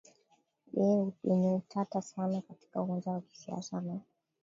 yenye utata sana katika uwanja wa kisiasa na